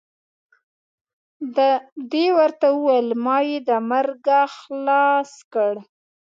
دې ورته وویل ما یې د مرګه خلاص کړ.